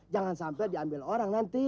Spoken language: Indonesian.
jangan sampai diambil orang nanti